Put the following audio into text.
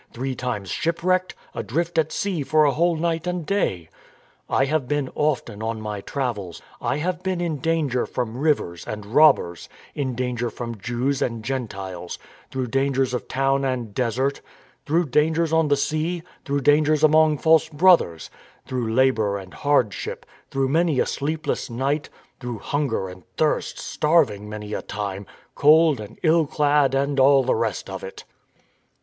Three times shipwrecked, adrift at sea for a whole night and day. " I have been often on my travels. I have been in danger from rivers and robbers; in danger from Jews and Gentiles; through dangers of town and desert; through dangers on the sea, through dangers among false brothers; through labour and hardship; through many a sleepless night, through hunger and thirst, starving many a time, cold and ill clad and all the rest of it."